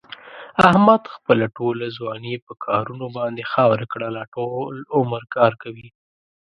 احمد خپله ځواني په کارونو باندې خاورې کړله. ټول عمر کار کوي.